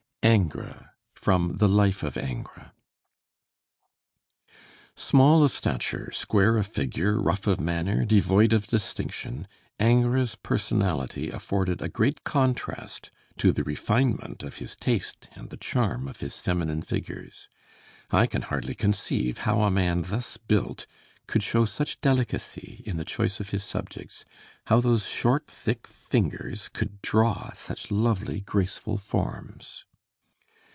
INGRES From the 'Life of Ingres' Small of stature, square of figure, rough of manner, devoid of distinction, Ingres's personality afforded a great contrast to the refinement of his taste and the charm of his feminine figures. I can hardly conceive how a man thus built could show such delicacy in the choice of his subjects; how those short, thick fingers could draw such lovely, graceful forms.